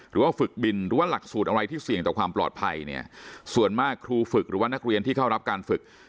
หรือว่าฝึกบินหรือว่าหลักสูตรอะไรที่เสี่ยงต่อความปลอดภัยเนี่ยส่วนมากครูฝึกหรือว่านักเรียนที่เข้ารับการฝึก